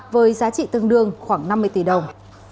với giá trị tương đương khoảng năm mươi tỷ đồng